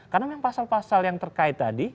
karena memang pasal pasal yang terkait tadi